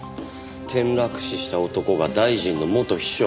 転落死した男が大臣の元秘書。